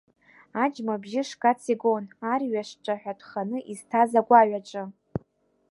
Аџьма абжьы шгац игон, арҩаш ҿаҳәатәханы изҭаз агәаҩаҿы.